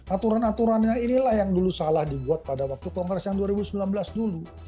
aturan aturannya inilah yang dulu salah dibuat pada waktu kongres yang dua ribu sembilan belas dulu